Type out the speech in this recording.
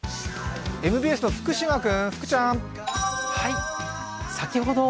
ＭＢＳの福島君、福ちゃーん。